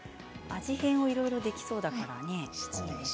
味変もいろいろできそうですからね。